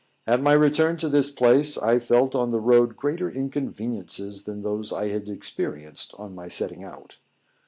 At my return to this place, I felt on the road greater inconveniences than those I had experienced on my setting out.